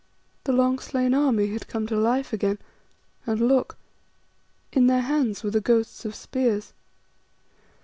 The long slain army had come to life again, and look! in their hands were the ghosts of spears.